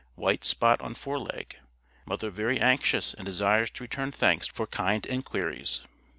White spot on foreleg. Mother very anxious and desires to return thanks for kind enquiries.